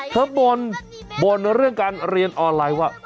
บ่นบ่นเรื่องการเรียนออนไลน์ว่า